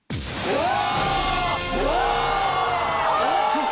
うわ！